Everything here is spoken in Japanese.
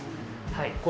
はい。